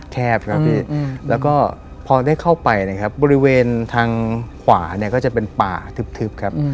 แคบครับพี่แล้วก็พอได้เข้าไปนะครับบริเวณทางขวาเนี่ยก็จะเป็นป่าทึบครับ